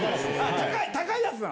高いやつなの？